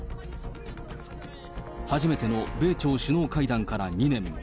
初めての米朝首脳会談から２年。